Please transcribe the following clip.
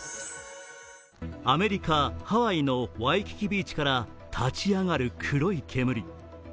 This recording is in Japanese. アメリカ・ハワイのワイキキビーチから立ち上がる黒い煙。